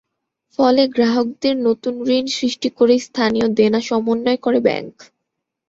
ফলে গ্রাহকের নতুন ঋণ সৃষ্টি করে স্থানীয় দেনা সমন্বয় করে ব্যাংক।